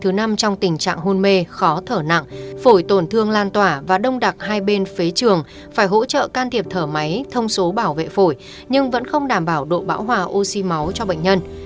thứ năm trong tình trạng hôn mê khó thở nặng phổi tổn thương lan tỏa và đông đặc hai bên phía trường phải hỗ trợ can thiệp thở máy thông số bảo vệ phổi nhưng vẫn không đảm bảo độ bão hòa oxy máu cho bệnh nhân